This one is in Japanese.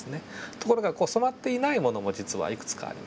ところが染まっていないものも実はいくつかあります。